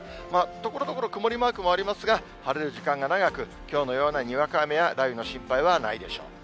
ところどころ曇りマークもありますが、晴れる時間が長く、きょうのようなにわか雨や雷雨の心配はないでしょう。